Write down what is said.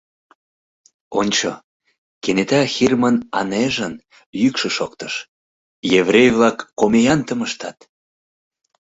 — Ончо, — кенета Хирмын Анэжын йӱкшӧ шоктыш, — еврей-влак комеянтым ыштат!